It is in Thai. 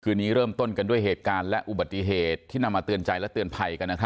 นี้เริ่มต้นกันด้วยเหตุการณ์และอุบัติเหตุที่นำมาเตือนใจและเตือนภัยกัน